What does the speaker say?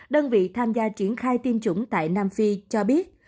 đơn vị tham gia triển khai tiêm chủng tại nam phi cho biết